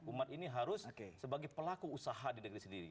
umat ini harus sebagai pelaku usaha di negeri sendiri